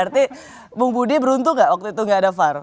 berarti bung budi beruntung gak waktu itu gak ada far